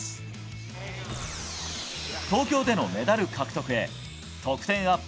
東京でのメダル獲得へ得点アップ